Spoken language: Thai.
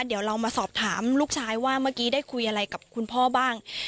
เดี๋ยวเรามาสอบถามลูกชายว่าเมื่อกี้ได้คุยอะไรกับคุณพ่อบ้าง